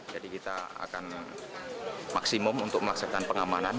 jadi kita akan maksimum untuk melaksanakan pengamanan